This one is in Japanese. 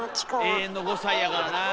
永遠の５歳やからなあ！